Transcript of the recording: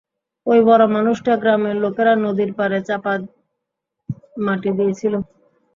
ঐ মরা মানুষটাকে গ্রামের লোকেরা নদীর পাড়ে চাপা মাটি দিয়েছিল।